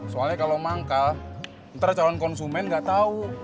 soalnya kalau manggal ntar calon konsumen nggak tahu